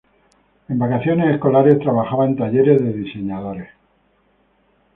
En vacaciones escolares trabajaba en talleres de diseñadores.